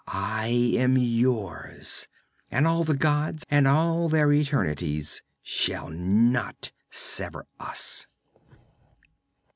I am yours, and all the gods and all their eternities shall not sever us!'